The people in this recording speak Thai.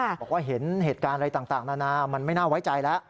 บอกว่าเห็นเหตุการณ์อะไรต่างนานามันไม่น่าไว้ใจแล้ว